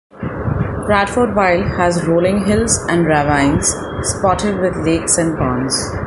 Bradfordville has rolling hills and ravines spotted with lakes and ponds.